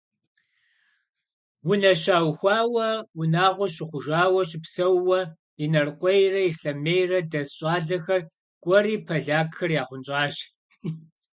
Унэ щаухуауэ, унагъуэ щыхъужауэ щыпсэууэ, Инарыкъуейрэ Ислъэмейрэ дэс щӏалэхэр кӏуэри полякхэр яхъунщӏащ.